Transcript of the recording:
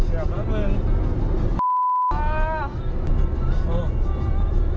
เก็บแล้วเมื่ออ่า